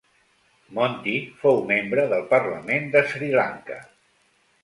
Monty fou membre del parlament d'Sri Lanka.